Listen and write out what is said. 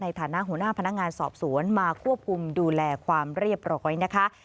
ในฐานะหัวหน้าพนักงานสอบสวนมาควบคุมดูแลความเรียบร้อยนะคะ